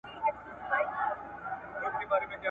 زنګوله که نه وي ټوله کار ورانېږي ,